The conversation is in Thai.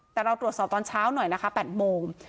แต่เราตรวจสอบตอนเช้าหน่อยนะคะ๘โมง